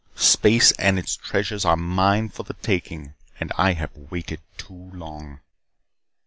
Space and its treasures are mine for the taking, and I have waited too long."